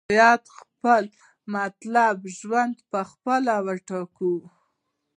موږ باید خپل مطلوب ژوند په خپله وټاکو.